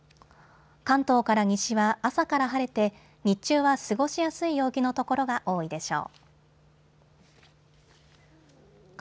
関東から西は朝から晴れて、日中は過ごしやすい陽気の所が多いでしょう。